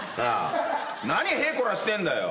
何へえこらしてんだよ。